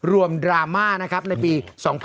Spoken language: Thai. รวมดราม่าในปี